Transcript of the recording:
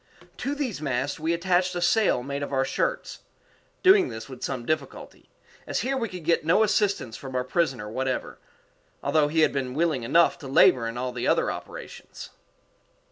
To these masts we attached a sail made of our shirts doing this with some difficulty, as here we could get no assistance from our prisoner whatever, although he had been willing enough to labor in all the other operations.